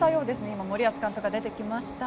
今、森保監督が出てきました。